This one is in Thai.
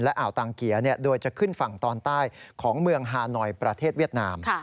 อ่าวตังเกียร์โดยจะขึ้นฝั่งตอนใต้ของเมืองฮานอยประเทศเวียดนาม